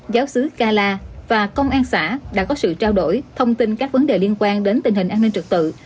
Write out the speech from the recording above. giáo sứ cala và công an xã đã có sự trao đổi thông tin các vấn đề liên quan đến tình hình an ninh trật tự